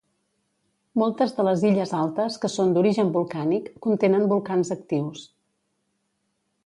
Moltes de les illes altes, que són d'origen volcànic, contenen volcans actius.